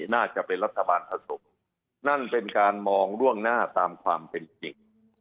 น่าจะเป็นรัฐบาลผสมนั่นเป็นการมองล่วงหน้าตามความเป็นจริง